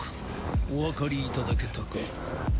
おわかりいただけたか？